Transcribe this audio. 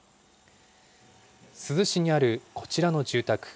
珠洲市にあるこちらの住宅。